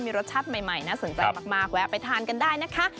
มีรสชาติใหม่น่าสนใจมากแวะไปทานกันได้นะคะ